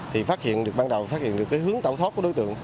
thì phát hiện được ban đầu phát hiện được hướng tạo thoát của đối tượng